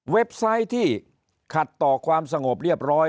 ไซต์ที่ขัดต่อความสงบเรียบร้อย